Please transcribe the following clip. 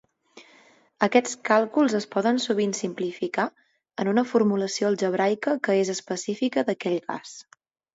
Aquests càlculs es poden sovint simplificar en una formulació algebraica que és específica d'aquell gas.